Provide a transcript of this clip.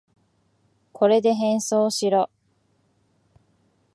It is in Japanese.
これで変装しろ。